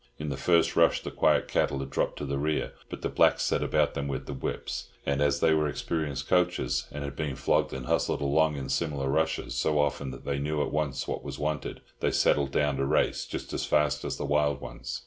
In the first rush the quiet cattle had dropped to the rear, but the blacks set about them with their whips; and, as they were experienced coachers, and had been flogged and hustled along in similar rushes so often that they knew at once what was wanted, they settled down to race just as fast as the wild ones.